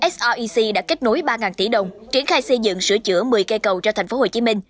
srec đã kết nối ba tỷ đồng triển khai xây dựng sửa chữa một mươi cây cầu cho thành phố hồ chí minh